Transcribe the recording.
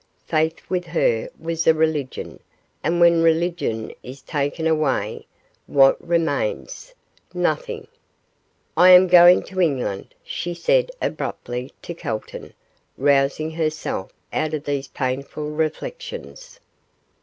Faith with her was a religion, and when religion is taken away, what remains? nothing. 'I am going to England,' she said, abruptly, to Calton, rousing herself out of these painful reflections.